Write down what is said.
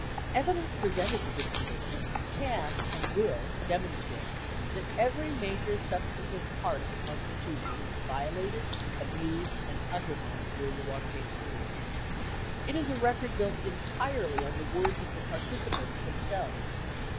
Evidence presented to this committee can and will demonstrate that every major substantive part of the Constitution was violated, abused, and undermined during the Watergate period. It is a record built entirely on the words of the participants them selves.